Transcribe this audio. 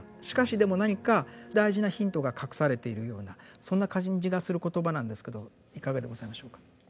しかしでも何か大事なヒントが隠されているようなそんな感じがする言葉なんですけどいかがでございましょうか。